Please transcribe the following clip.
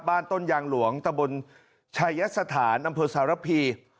บ้านต้นยางหลวงตะบลชายสถานอำทศรภี